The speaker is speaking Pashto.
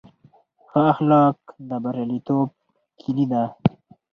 ښه اخلاق د بریالیتوب کیلي ده.